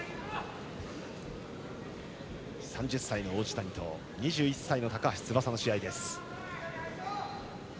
３０歳の王子谷と２１歳の高橋翼の試合です。